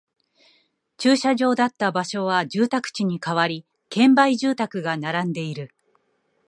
駐車場だった場所は住宅地に変わり、建売住宅が並んでいる